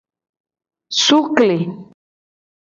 Sukle.